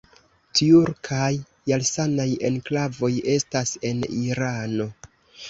Tjurkaj Jarsanaj enklavoj estas en Irano.